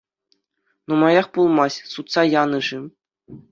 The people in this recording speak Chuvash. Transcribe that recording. Нумаях пулмасть сутса янӑ-ши?